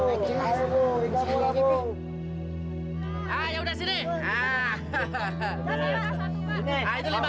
tunggu tunggu kita beli ikannya